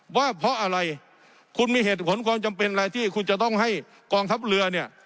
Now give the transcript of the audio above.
ว่าเพราะอะไรคุณมีเหตุผลความจำเป็นอะไรที่คุณจะต้องให้กองทัพเรือเนี่ย